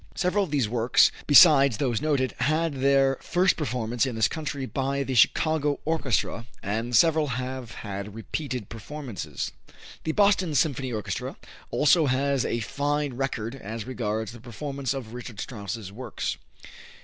Several of these works, besides those noted, had their first performance in this country by the Chicago Orchestra, and several have had repeated performances. The Boston Symphony Orchestra also has a fine record as regards the performance of Richard Strauss's works.